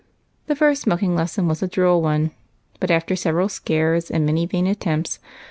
The first milking lesson was a droll one ; but after several scares and many vain attempts.